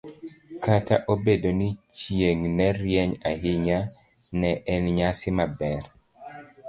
Kata obedo ni chieng' ne rieny ahinya, ne en nyasi maber.